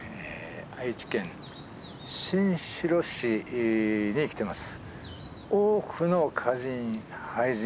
愛知県新城市に来てます。